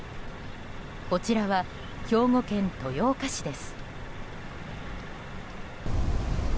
こちらは兵庫県豊岡市です。